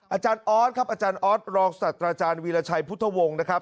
อาจารย์ออสครับอาจารย์ออสรองศัตว์อาจารย์วีรชัยพุทธวงศ์นะครับ